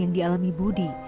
yang dialami budi